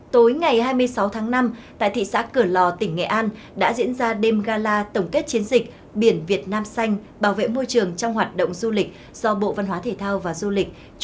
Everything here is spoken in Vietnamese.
tối ngày hai mươi sáu tháng năm tại thị xã cửa lò tỉnh nghệ an đã diễn ra đêm gala tổng kết chiến dịch biển việt nam xanh bảo vệ môi trường trong hoạt động du lịch do bộ văn hóa thể thao và du lịch